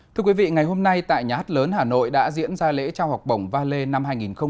thưa quý vị ngày hôm nay tại nhà hát lớn hà nội đã diễn ra lễ trao học bổng valet năm hai nghìn hai mươi